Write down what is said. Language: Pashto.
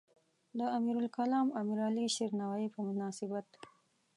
د امیرالکلام امیرعلی شیرنوایی په مناسبت.